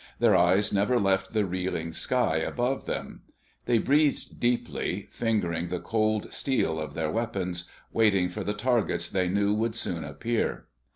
Their eyes never left the reeling sky above them. They breathed deeply, fingering the cold steel of their weapons, waiting for the targets they knew would soon appear.